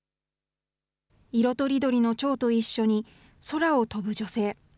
色とりどりのチョウと一緒に、空を飛ぶ女性。